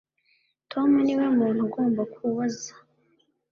Tom niwe muntu ugomba kubaza